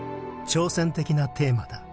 「挑戦的なテーマだ。